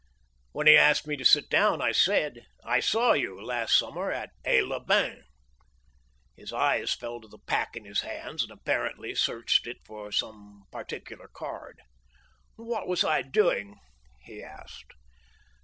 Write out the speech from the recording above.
When he asked me to sit down I said: "I saw you last summer at Aix les Bains." His eyes fell to the pack in his hands and apparently searched it for some particular card. "What was I doing?" he asked.